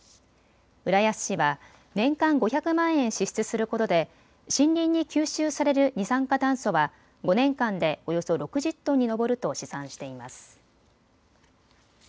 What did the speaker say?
浦安市は年間５００万円支出することで森林に吸収される二酸化炭素は５年間でおよそ６０トンに上ると試算しています。